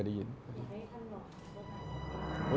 เกิดได้ยินครับเกิดได้ยิน